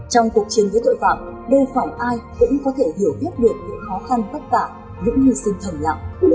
trong cuộc chiến với tội phạm đôi phòng ai cũng có thể hiểu biết được những khó khăn bất vả những hình sinh thầm lặng